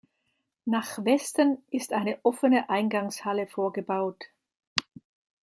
Nach Westen ist eine offene Eingangshalle vorgebaut.